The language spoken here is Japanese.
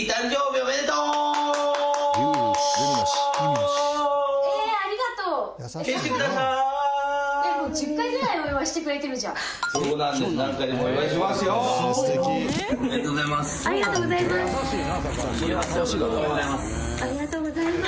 おめでとうございます。